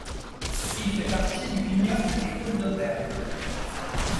Il fait partie du vignoble des côtes-d'auvergne.